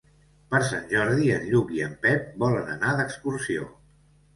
Per Sant Jordi en Lluc i en Pep volen anar d'excursió.